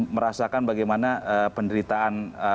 merasakan bagaimana penderitaan